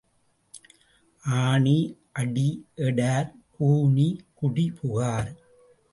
ஆனி அடி எடார் கூனி குடி புகார்.